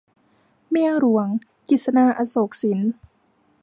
เมียหลวง - กฤษณา อโศกสิน